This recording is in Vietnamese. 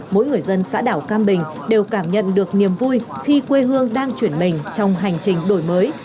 mỗi người dân xã đảo cam bình đều cảm nhận được niềm vui khi quê hương đang chuyển mình trong hành trình đổi mới